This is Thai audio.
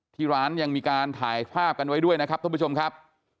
ที่ร้านยังมีการถ่ายภาพกันไว้ด้วยนะครับท่านผู้ชมครับ